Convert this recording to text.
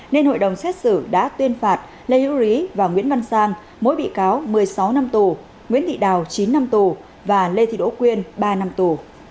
nên hội đồng xét xử đã tuyên phạt lê hữu rí và nguyễn văn sang mỗi bị cáo một mươi sáu năm tù nguyễn thị đào chín năm tù và lê thị đỗ quyên ba năm tù